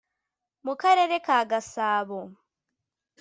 mu Karere ka Gasabo